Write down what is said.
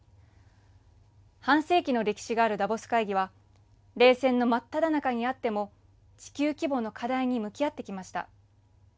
半世紀の歴史があるダボス会議は冷戦の真っただ中にあっても地球規模の課題に向き合ってきました。